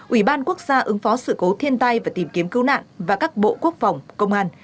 ủy ban quốc gia ứng phó sự cố thiên tai và tìm kiếm cứu nạn và các bộ quốc phòng công an